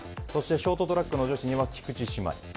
そしてショートトラック女子には菊池姉妹。